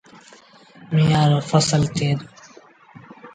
ميݩهآن رو ڦسل ٿئي دو۔